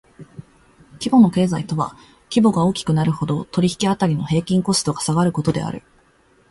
規模の経済とは規模が大きくなるほど、取引辺りの平均的コストが下がることである。